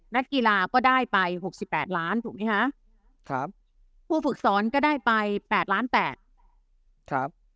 นักกีฬาก็ได้ไปหกสิบแปดล้านถูกไหมคะครับผู้ฝึกสอนก็ได้ไปแปดล้านแปดครับ